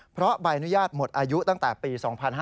เพราะใบอนุญาตหมดอายุตั้งแต่ปี๒๕๕๙